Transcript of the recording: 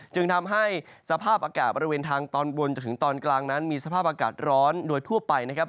จึงทำให้สภาพอากาศบริเวณทางตอนบนจนถึงตอนกลางนั้นมีสภาพอากาศร้อนโดยทั่วไปนะครับ